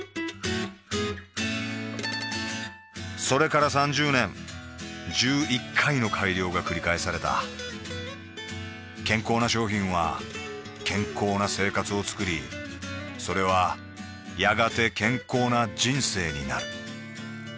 それから３０年１１回の改良がくり返された健康な商品は健康な生活をつくりそれはやがて健康な人生になる